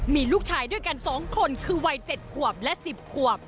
มีลูกชายด้วยกัน๒คนคือวัย๗ขวบและ๑๐ขวบ